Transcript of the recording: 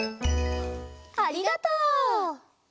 ありがとう！